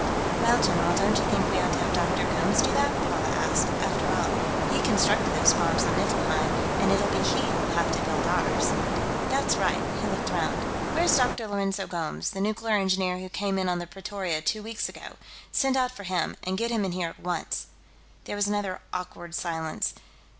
"Well, general, don't you think we ought to have Dr. Gomes do that?" Paula asked. "After all, he constructed those bombs on Niflheim, and it'll be he who'll have to build ours." "That's right." He looked around. "Where's Dr. Lourenço Gomes, the nuclear engineer who came in on the Pretoria, two weeks ago? Send out for him, and get him in here at once." There was another awkward silence.